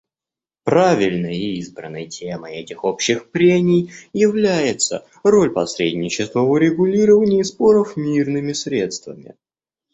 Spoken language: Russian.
Правильно избранной темой этих общих прений является «Роль посредничества в урегулировании споров мирными средствами».